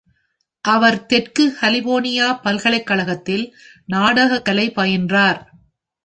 அவர் தெற்கு கலிபோர்னியா பல்கலைக்கழகத்தில், நாடகக்கலை பயின்றார்.